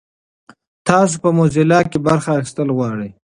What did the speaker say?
تاسو په موزیلا کې برخه اخیستل غواړئ؟